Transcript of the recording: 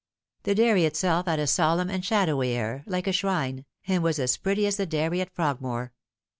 The dairy itself had a solemn and shadowy air, like a shrine, and was as pretty as the dairy at Frogmore.